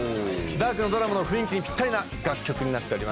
ダークなドラマの雰囲気にぴったりな楽曲になっております。